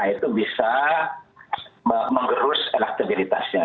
karena itu bisa mengerus elektabilitasnya